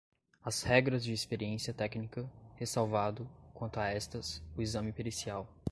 as regras de experiência técnica, ressalvado, quanto a estas, o exame pericial